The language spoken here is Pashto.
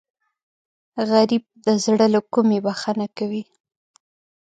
غریب د زړه له کومې بښنه کوي